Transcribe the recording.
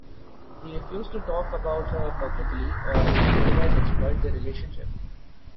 He refused to talk about her publicly or otherwise exploit their relationship.